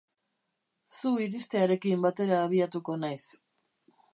Zu iristearekin batera abiatuko naiz.